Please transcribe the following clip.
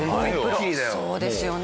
そうですよね。